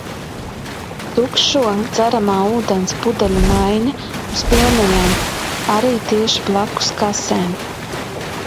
Tukšo dzeramā ūdens pudeļu maiņa uz pilnajām - arī tieši blakus kasēm.